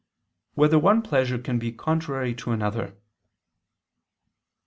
8] Whether One Pleasure Can Be Contrary to Another?